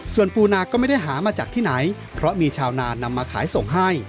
ส่วนปูนาก็ไม่ได้หามาจากที่ไหนเพราะมีชาวนานนำมาขายส่งให้